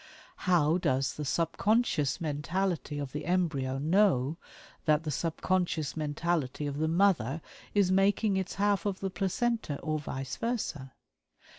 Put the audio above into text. How does the subconscious mentality of the embryo know that the subconscious mentality of the mother is making its half of the placenta, or vice versa?